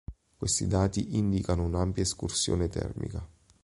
Questi dati indicano un'ampia escursione termica.